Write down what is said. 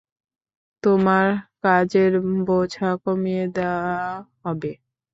তোমার কাজের বোঝা কমিয়ে দেয়া হবে।